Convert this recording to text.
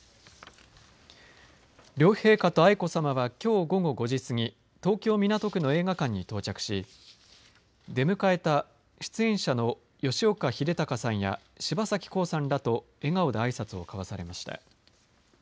両陛下と愛子さまはきょう午後５時過ぎ東京、港区の映画館に到着し出迎えた出演者の吉岡秀隆さんや柴咲コウさんらと笑顔であいさつを交わされました。